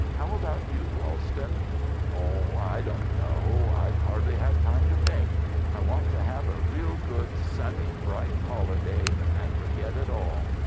How about you, Ralston?" "Oh, I don't know. I've hardly had time to think. I want to have a real good sunny, bright holiday and forget it all.